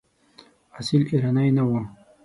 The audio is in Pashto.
اصیل ایرانی نه وو.